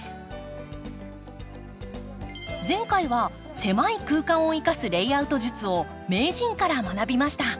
前回は狭い空間を生かすレイアウト術を名人から学びました。